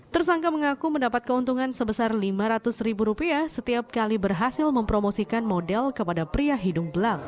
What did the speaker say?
tersangka mengaku mendapat keuntungan sebesar lima ratus ribu rupiah setiap kali berhasil mempromosikan model kepada pria hidung belang